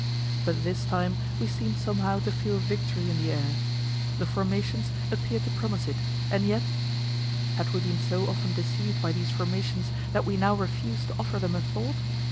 But this time we seemed somehow to feel victory in the air. The formations appeared to promise it, and yet had we been so often deceived by these formations that we now refused to offer them a thought?